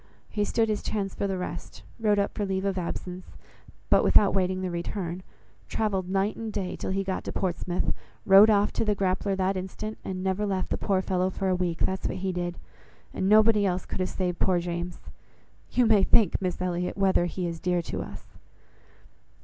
He stood his chance for the rest; wrote up for leave of absence, but without waiting the return, travelled night and day till he got to Portsmouth, rowed off to the Grappler that instant, and never left the poor fellow for a week. That's what he did, and nobody else could have saved poor James. You may think, Miss Elliot, whether he is dear to us!"